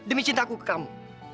dengan cinta ke kamu